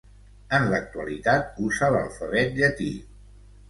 En l'actualitat usa l'alfabet llatí.